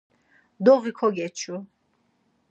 Doği kogeçu.